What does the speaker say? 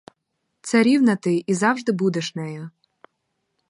Царівна ти — і завжди будеш нею.